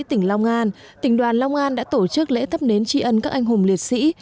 tỉnh long an tỉnh đoàn long an đã tổ chức lễ thắp nến tri ân các anh hùng liệt sĩ